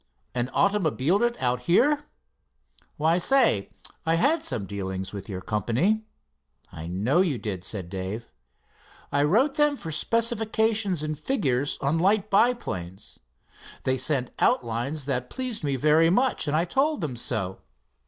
"And automobiled it out here? Why, say, I had some dealings with your company." "I know you did," said Dave. "I wrote to them for specifications and figures on light biplanes. They sent outlines that pleased me very much, and I told them so.